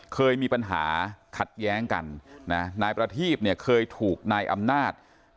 เคยมีปัญหาขัดแย้งกันนะนายประทีพเนี่ยเคยถูกนายอำนาจ